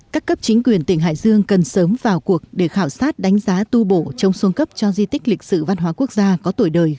các cấp chính quyền tỉnh hải dương cần sớm vào cuộc để khảo sát đánh giá tu bộ trong xuân cấp cho di tích lịch sử văn hóa quốc gia có tuổi đời gần một năm này